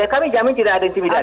kami jamin tidak ada intimidasi